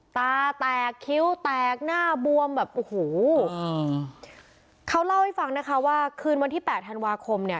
ตาแตกคิ้วแตกหน้าบวมแบบโอ้โหเขาเล่าให้ฟังนะคะว่าคืนวันที่แปดธันวาคมเนี่ย